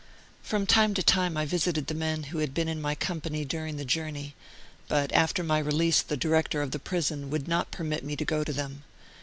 From time to time I visited the men who had been in my company during the journey, but after my release the director of the prison would not permit me to go to them.